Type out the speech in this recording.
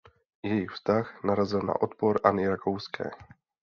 Jejich vztah narazil na odpor Anny Rakouské.